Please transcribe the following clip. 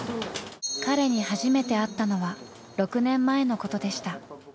彼に初めて会ったのは６年前のことでした。